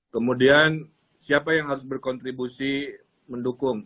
kemudian siapa yang harus berkontribusi mendukung